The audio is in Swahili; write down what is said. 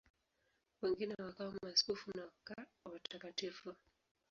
Wengine wakawa maaskofu na watakatifu.